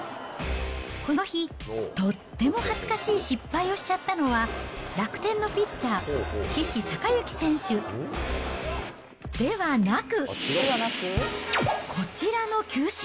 この日、とっても恥ずかしい失敗をしちゃったのは、楽天のピッチャー、岸孝之選手ではなく。